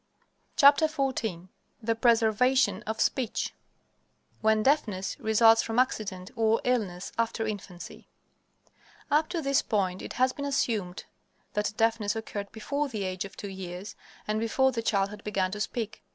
XIV THE PRESERVATION OF SPEECH WHEN DEAFNESS RESULTS FROM ACCIDENT OR ILLNESS AFTER INFANCY Up to this point it has been assumed that deafness occurred before the age of two years, and before the child had begun to speak.